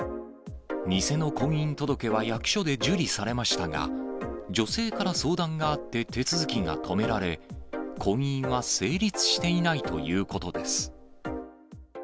偽の婚姻届は役所で受理されましたが、女性から相談があって手続きが止められ、婚姻は成立していないということです。